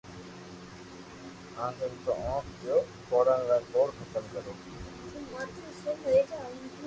آندھن نو اونک ديو ڪوڙون را ڪوڙختم ڪرو